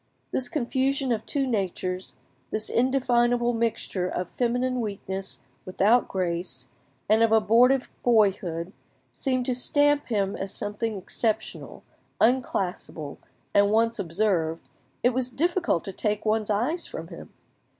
This confusion of two natures, this indefinable mixture of feminine weakness without grace, and of abortive boyhood, seemed to stamp him as something exceptional, unclassable, and once observed, it was difficult to take one's eyes from him.